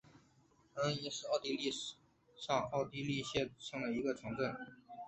恩岑基兴是奥地利上奥地利州谢尔丁县的一个市镇。